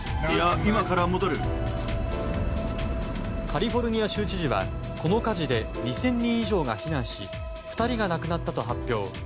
カリフォルニア州知事はこの火事で２０００人以上が避難し２人が亡くなったと発表。